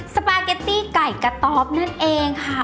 สปาเกตตี้ไก่กระต๊อบนั่นเองค่ะ